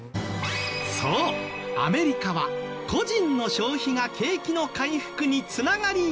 そうアメリカは個人の消費が景気の回復に繋がりやすい国。